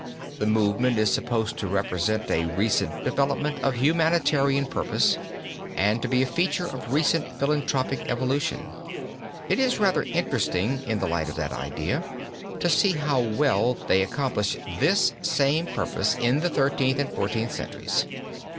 The movement is supposed to represent a recent development of humanitarian purpose, and to be a feature of recent philanthropic evolution. It is rather interesting, in the light of that idea, to see how well they accomplish this same purpose in the Thirteenth and Fourteenth Centuries.